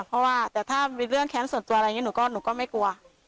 เพราะว่าแต่ถ้ามีเรื่องแค้นส่วนตัวอะไรอย่างนี้หนูก็ไม่กลัว